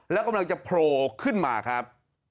แล้วกำลังจะโผล่ขึ้นมาครับ